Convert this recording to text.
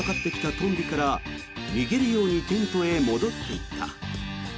トンビから逃げるようにテントへ戻っていった。